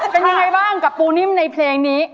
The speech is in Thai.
เป็นยังไงบ้างกับปูนิ่มในเพลงนี้